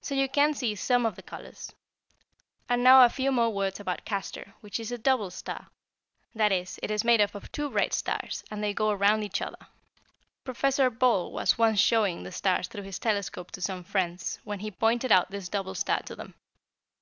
So you can see some of the colors. And now a few more words about Castor, which is a double star. That is, it is made up of two bright stars, and they go around each other. "Professor Ball was once showing the stars through his telescope to some friends, when he pointed out this double star to them.